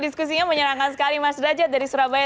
diskusinya menyenangkan sekali mas dredjat dari surabaya